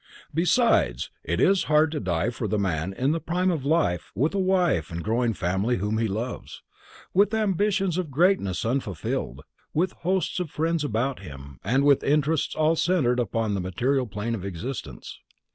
Besides, it is hard to die for the man in the prime of life with a wife and growing family whom he loves; with ambitions of greatness unfulfilled; with hosts of friends about him, and with interests all centered upon the material plane of existence.